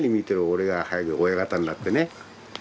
俺が早く親方になってね。